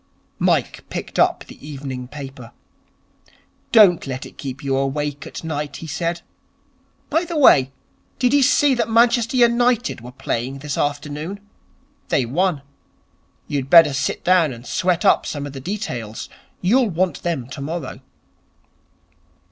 Mike picked up the evening paper. 'Don't let it keep you awake at night,' he said. 'By the way, did you see that Manchester United were playing this afternoon? They won. You'd better sit down and sweat up some of the details. You'll want them tomorrow.'